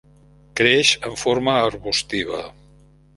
Creix en forma arbustiva.